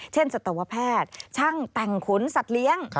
สัตวแพทย์ช่างแต่งขุนสัตว์เลี้ยง